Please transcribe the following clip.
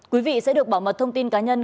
quý vị sẽ được bảo mật thông tin cá nhân